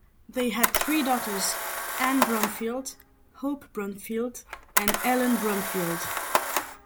They had three daughters, Ann Bromfield, Hope Bromfield and Ellen Bromfield.